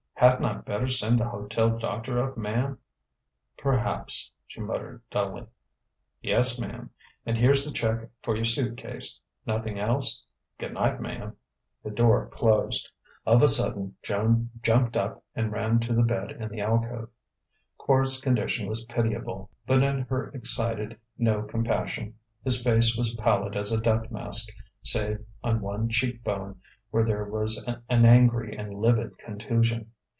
"Hadn't I better send the hotel doctor up, ma'm?" "Perhaps," she muttered dully. "Yes, ma'm. And here's the check for your suit case. Nothing else? Good night, ma'm." The door closed. Of a sudden, Joan jumped up and ran to the bed in the alcove. Quard's condition was pitiable, but in her excited no compassion. His face was pallid as a death mask save on one cheek bone, where there was an angry and livid contusion.